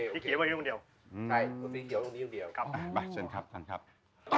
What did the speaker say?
สีเขียวตรงนี้ตรงเดียว